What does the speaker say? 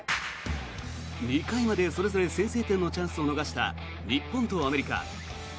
２回まで、それぞれ先制点のチャンスを逃した日本とアメリカ。